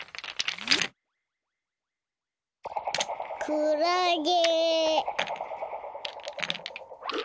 くらげ。